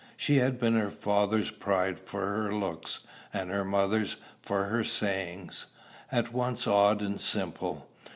She had been her father's pride for her looks, and her mother's for her sayings, at once odd and simple.